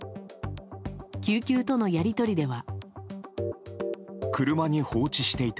救急とのやり取りでは。